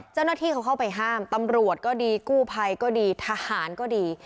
เจ้าหน้าที่เขาเข้าไปห้ามตำรวจก็ดีกู้ภัยก็ดีทหารก็ดี